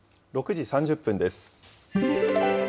６時３０分です。